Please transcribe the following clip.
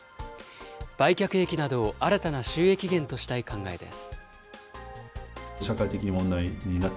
売却益などを新たな収益源としたい考えです。